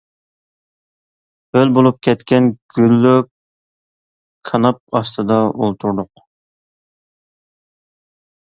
ھۆل بولۇپ كەتكەن گۈللۈك كاناپ ئاستىدا ئولتۇردۇق.